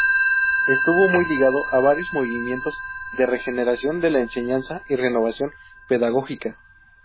Estuvo muy ligado a varios movimientos de regeneración de la enseñanza y renovación pedagógica.